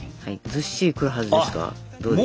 ずっしりくるはずですがどうでしょう。